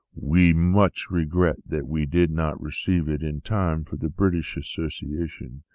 We much regret that we did not receive it in time for the British Association.